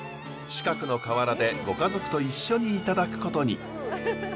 近くの河原でご家族と一緒にいただくことに。